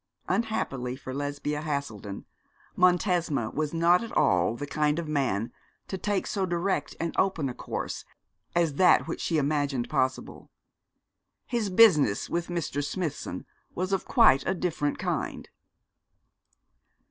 Unhappily for Lesbia Haselden, Montesma was not at all the kind of man to take so direct and open a course as that which she imagined possible. His business with Mr. Smithson was of quite a different kind.